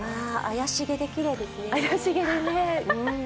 怪しげできれいですね。